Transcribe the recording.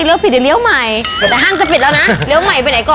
เลือกผิดเดี๋ยวเลี่ยวใหม่